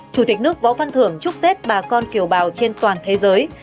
chủ tịch nước võ văn thưởng chúc tết bà con kiều bào trên toàn thế giới